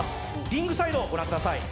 リングサイドを御覧ください。